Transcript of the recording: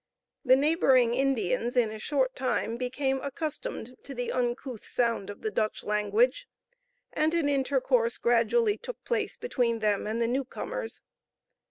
The neighboring Indians in a short time became accustomed to the uncouth sound of the Dutch language, and an intercourse gradually took place between them and the new comers.